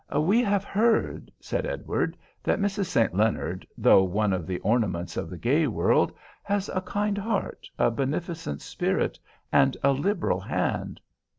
"We have heard," said Edward, "that Mrs. St. Leonard, though one of the ornaments of the gay world, has a kind heart, a beneficent spirit and a liberal hand."